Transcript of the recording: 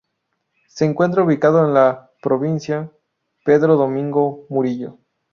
Se encuentra ubicado en la Provincia Pedro Domingo Murillo.